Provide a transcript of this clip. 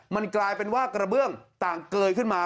มันกลายเป็นว่ากระเบื้องต่างเกยขึ้นมา